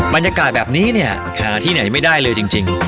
บรรยากาศแบบนี้เนี่ยหาที่ไหนไม่ได้เลยจริง